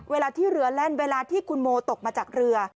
เวลาที่เรือแล่นเวลาที่คุณโมตกมาจากเรือ